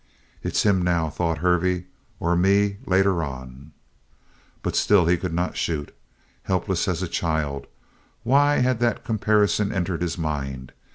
"It's him now," thought Hervey, "or me later on." But still he could not shoot. "Helpless as a child" why had that comparison entered his mind?